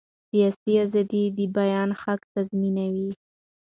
سیاسي ازادي د بیان حق تضمینوي